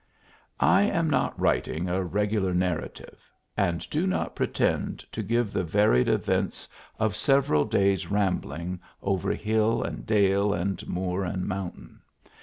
I am not writing a regular narrair, e, and do not pretend to give the varied events of several days rambling over hill and dale, and moor and moun tain.